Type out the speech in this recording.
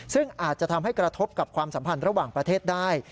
ซึ่งอาจจะทำให้กระทบกับความสัมพันธ์ระหว่างประเทศได้